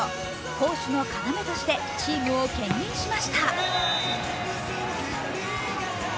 攻守の要として、チームをけん引しました。